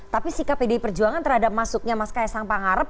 tapi sikap pd perjuangan terhadap masuknya mas kaya sang pangarep